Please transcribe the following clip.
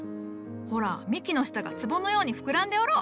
ほら幹の下がつぼのように膨らんでおろう。